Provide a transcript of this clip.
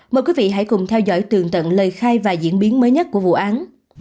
mời quý vị hãy cùng theo dõi tường tận lời khai và diễn biến mới nhất của vụ án